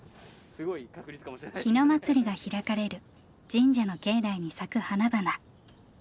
日野祭が開かれる神社の境内に咲く花々。